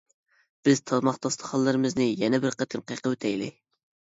بىز تاماق داستىخانلىرىمىزنى يەنە بىر قېتىم قېقىۋېتەيلى.